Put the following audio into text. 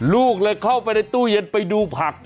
ลูกเลยเข้าไปในตู้เย็นไปดูผัก